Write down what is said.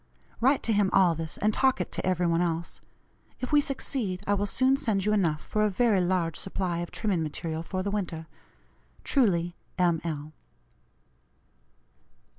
Write to him all this, and talk it to every one else. If we succeed I will soon send you enough for a very large supply of trimming material for the winter. Truly, "M. L."